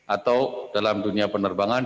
atau dalam dunia penerbangan